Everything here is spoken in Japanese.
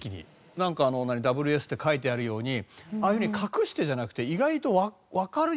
なんか「ＷＳ」って書いてあるようにああいうふうに隠してじゃなくて意外とわかりやすく書いてあった。